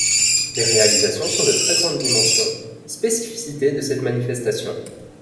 Les réalisations sont de très grandes dimensions, spécificité de cette manifestation.